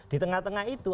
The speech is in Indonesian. di tengah tengah itu